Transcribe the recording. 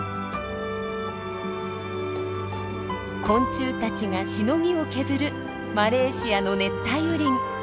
昆虫たちがしのぎを削るマレーシアの熱帯雨林。